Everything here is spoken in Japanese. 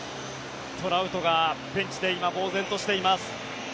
トラウトがベンチで今、ぼうぜんとしています。